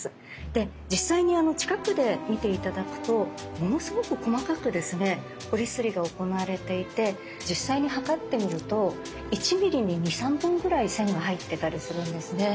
で実際に近くで見て頂くとものすごく細かくですね彫り摺りが行われていて実際に測ってみると１ミリに２３本ぐらい線が入ってたりするんですね。